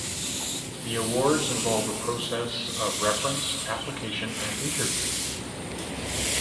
The awards involve a process of reference, application and interview.